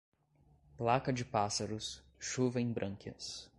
Placa de pássaros, chuva em brânquias.